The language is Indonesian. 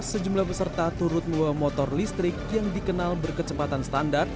sejumlah peserta turut membawa motor listrik yang dikenal berkecepatan standar